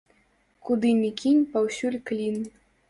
Куды ні кінь, паўсюль клін.